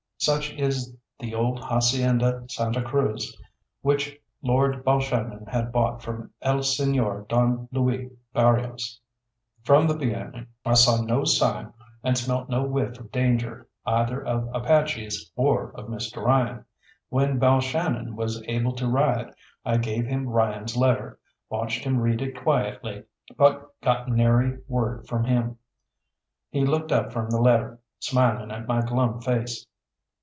Such is the old Hacienda Santa Cruz which Lord Balshannon had bought from El Señor Don Luis Barrios. From the beginning I saw no sign and smelt no whiff of danger either of Apaches or of Mr. Ryan. When Balshannon was able to ride I gave him Ryan's letter, watched him read it quietly, but got nary word from him. He looked up from the letter, smiling at my glum face.